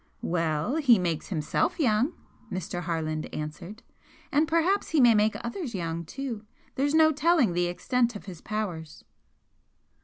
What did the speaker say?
"Well, he makes HIMSELF young," Mr. Harland answered "And perhaps he may make others young too. There's no telling the extent of his powers!"